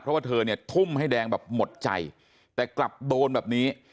เพราะว่าเธอเนี่ยทุ่มให้แดงแบบหมดใจแต่กลับโดนแบบนี้